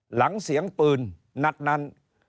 หลังเสียงปืนนัดนั้น